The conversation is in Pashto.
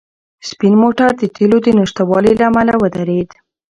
سپین موټر د تېلو د نشتوالي له امله ودرېد.